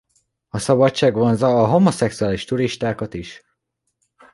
A szabadság vonzza a homoszexuális turistákat is.